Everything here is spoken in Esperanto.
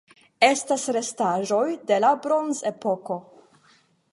Estas restaĵoj de la Bronzepoko.